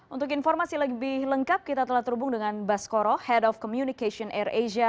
untuk informasi lebih lengkap kita telah terhubung dengan baskoro head of communication air asia